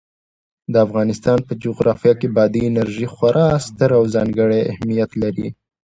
د افغانستان په جغرافیه کې بادي انرژي خورا ستر او ځانګړی اهمیت لري.